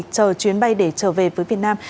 chờ chuyến bay để trở về với việt nam